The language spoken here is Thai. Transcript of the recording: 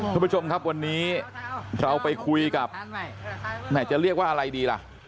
คุณผู้ชมครับวันนี้เราไปคุยกับแหมจะเรียกว่าอะไรดีล่ะ